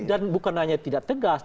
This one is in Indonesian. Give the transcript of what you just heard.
dan bukan hanya tidak tegas